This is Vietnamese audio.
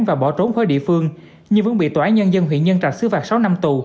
và bỏ trốn khỏi địa phương nhưng vẫn bị tòa án nhân dân huyện nhân trạch xứ phạt sáu năm tù